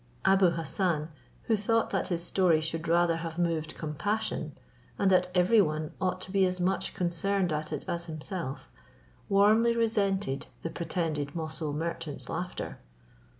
Abou Hassan, who thought that his story should rather have moved compassion, and that every one ought to be as much concerned at it as himself, warmly resented the pretended Moussul merchant's laughter.